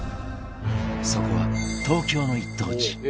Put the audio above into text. そこは東京の一等地